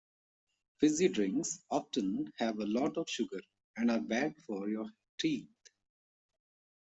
Fizzy drinks often have a lot of sugar and are bad for your teeth